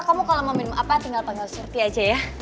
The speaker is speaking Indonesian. kamu kalau mau minum apa tinggal panggil surpy aja ya